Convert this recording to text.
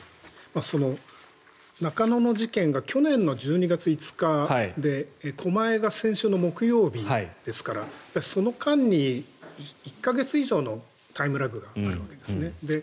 中野の事件が去年１２月５日で狛江が先週の木曜日ですからその間に１か月以上のタイムラグがあるわけですね。